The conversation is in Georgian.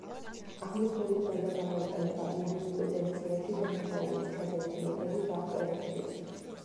აღნიშნული ფრაზა გამოიყენება იურისპრუდენციაში, დანაშაულის ჩადენის მეთოდის აღწერისთვის.